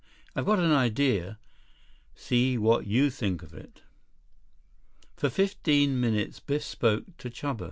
I've got an idea. See what you think of it." 65 For fifteen minutes Biff spoke to Chuba.